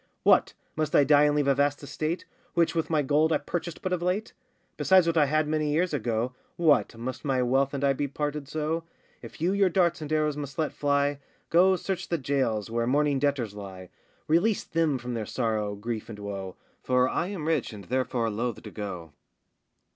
What! must I die and leave a vast estate, Which, with my gold, I purchased but of late? Besides what I had many years ago?— What! must my wealth and I be parted so? If you your darts and arrows must let fly, Go search the jails, where mourning debtors lie; Release them from their sorrow, grief, and woe, For I am rich and therefore loth to go.